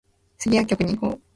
スギ薬局に行こう